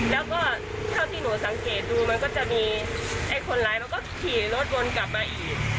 แล้วก็เท่าที่หนูสังเกตดูมันก็จะมีไอ้คนร้ายมันก็ขี่รถวนกลับมาอีก